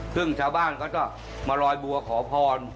ซึ่งชาวบ้านเขาจะมาลอยบัวขอพร